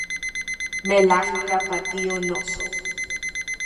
Melajka patio, noso